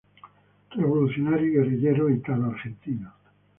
Revolucionario y guerrillero italo-argentino.